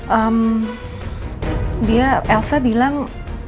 ya dia elsa bilang